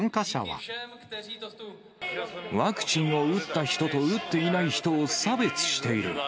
ワクチンを打った人と打っていない人を差別している。